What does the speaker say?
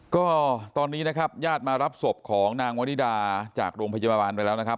ก็ตอนนี้นะครับญาติมารับศพของนางวริดาจากโรงพยาบาลไปแล้วนะครับ